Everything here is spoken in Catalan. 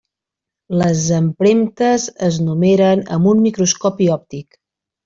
Les empremtes es numeren amb un microscopi òptic.